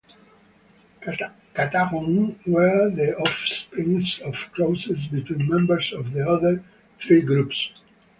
Qattagon were the offspring of crosses between members of the other three groups.